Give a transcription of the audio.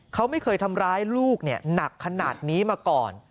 เขาไม่เคยทำร้ายลูกหนักขนาดนี้มาก่อน